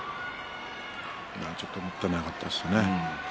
ちょっともったいなかったですね。